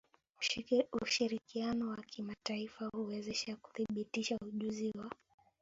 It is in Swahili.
Ushirikiano wa kimataifa huwezesha kubadilishana ujuzi wa